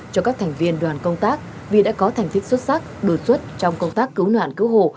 cho các thành viên đoàn công tác vì đã có thành tích xuất sắc đột xuất trong công tác cứu nạn cứu hộ